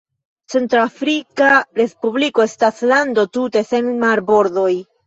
Centr-Afrika Respubliko estas lando tute sen marbordoj.